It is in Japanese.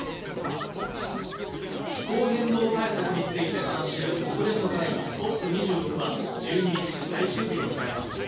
気候変動対策について話し合う国連の会議、ＣＯＰ２６は１２日、最終日を迎えます。